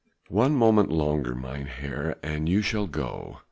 "One moment longer, mynheer, and you shall go.